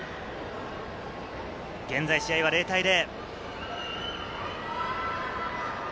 現在試合は０対０。